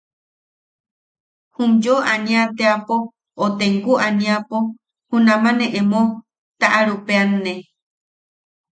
Um yoo ania teapo o tenku aniapo junama ne emo taʼarupeʼeanne.